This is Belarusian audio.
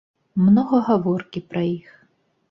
Многа гаворкі пра іх.